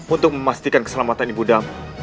untuk memastikan keselamatan ibu dam